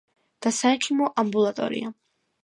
და საექიმო ამბულატორია.